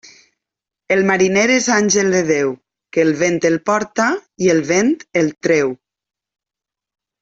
El mariner és àngel de Déu, que el vent el porta i el vent el treu.